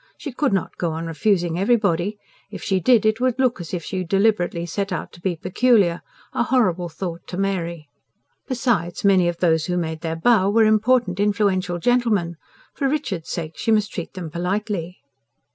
She could not go on refusing everybody: if she did, it would look as if she deliberately set out to be peculiar a horrible thought to Mary. Besides, many of those who made their bow were important, influential gentlemen; for Richard's sake she must treat them politely.